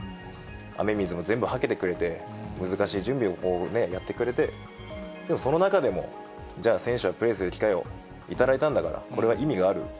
雨水も全部はけてくれて、難しい準備をやってくれて、でもその中でも、じゃあ、選手はプレーする機会を頂いたんだから、これは意味がある。